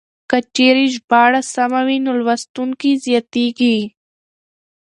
که چېرې ژباړه سمه وي نو لوستونکي زياتېږي.